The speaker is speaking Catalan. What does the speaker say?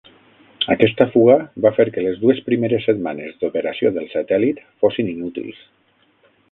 Aquesta fuga va fer que les dues primeres setmanes d'operació del satèl·lit fossin inútils.